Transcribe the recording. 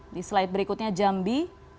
di slide berikutnya jambi